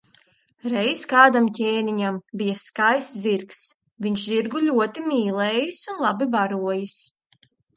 Reiz kādam ķēniņam bijis skaists zirgs, viņš zirgu ļoti mīlējis un labi barojis.